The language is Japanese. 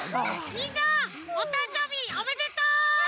みんなおたんじょうびおめでとう！